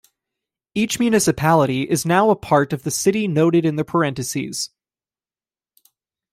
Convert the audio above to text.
Each municipality is now a part of the city noted in the parentheses.